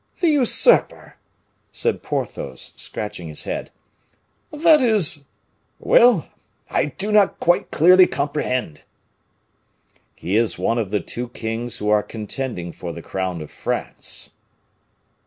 "The usurper!" said Porthos, scratching his head. "That is well, I do not quite clearly comprehend!" "He is one of the two kings who are contending for the crown of France."